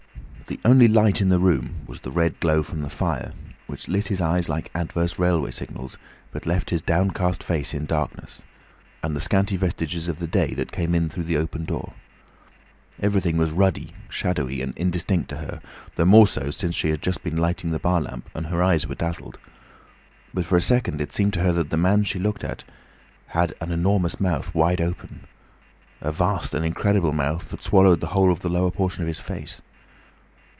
The only light in the room was the red glow from the fire—which lit his eyes like adverse railway signals, but left his downcast face in darkness—and the scanty vestiges of the day that came in through the open door. Everything was ruddy, shadowy, and indistinct to her, the more so since she had just been lighting the bar lamp, and her eyes were dazzled. But for a second it seemed to her that the man she looked at had an enormous mouth wide open—a vast and incredible mouth that swallowed the whole of the lower portion of his face.